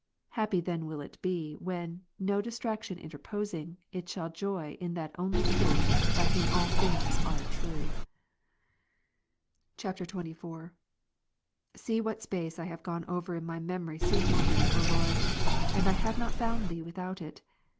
Happy then will it be, when, no distraction interposing, it shall joy in that only Truth, by Whom all things are true. [XXIV.] 35. See what a space I have gone over in my memory seeking Thee, O Lord ; and I have not found Thee, without it.